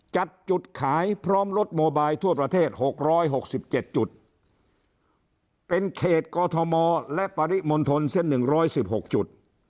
จัดจุดขายพร้อมรถโมบายทั่วประเทศ๖๖๗จุดเป็นเขตกอทมและปริมณฑลเส้น๑๑๖จุด